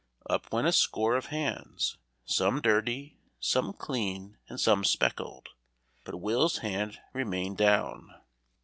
Up went a score of hands some dirty, some clean and some speckled, but Will's hand remained down.